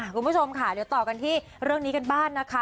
คุณผู้ชมค่ะเดี๋ยวต่อกันที่เรื่องนี้กันบ้างนะคะ